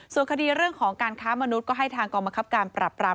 ส่วนคดีเรื่องของการค้ามนุษย์ก็ให้ทางกองบังคับการปรับปราม